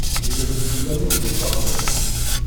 Gren-d fell-awen lbaṭel.